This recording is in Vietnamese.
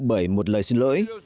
bởi một lời xin lỗi